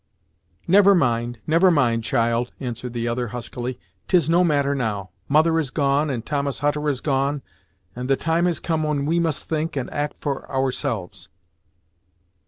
"Never mind never mind, child," answered the other huskily, "'tis no matter, now. Mother is gone, and Thomas Hutter is gone, and the time has come when we must think and act for ourselves."